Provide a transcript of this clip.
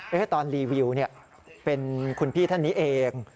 ไปให้ตอนรีวิวเนี่ยเป็นคุณพี่ท่านนี้เอง